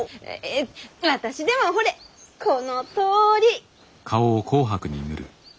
私でもほれこのとおり。